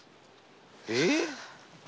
えっ？